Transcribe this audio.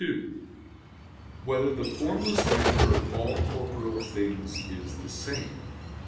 2] Whether the Formless Matter of All Corporeal Things Is the Same?